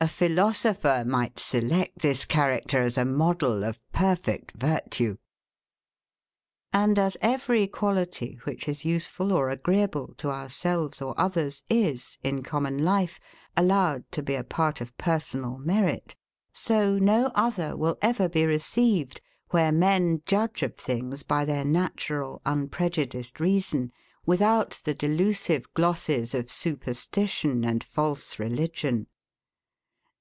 A philosopher might select this character as a model of perfect virtue. And as every quality which is useful or agreeable to ourselves or others is, in common life, allowed to be a part of personal merit; so no other will ever be received, where men judge of things by their natural, unprejudiced reason, without the delusive glosses of superstition and false religion.